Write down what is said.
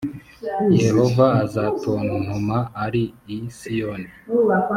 d yehova azatontoma ari i siyoni